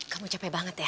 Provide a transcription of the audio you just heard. kamu capek banget ya